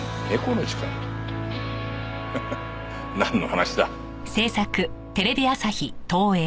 ハハなんの話だ。